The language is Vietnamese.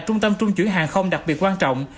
trung tâm trung chuyển hàng không đặc biệt quan trọng